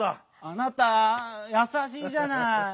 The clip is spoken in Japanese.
あなたやさしいじゃない。